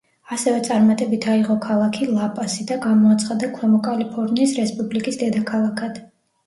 ასევე წარმატებით აიღო ქალაქი ლა პასი და გამოაცხადა ქვემო კალიფორნიის რესპუბლიკის დედაქალაქად.